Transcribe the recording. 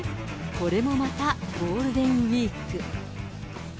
これもまたゴールデンウィーク。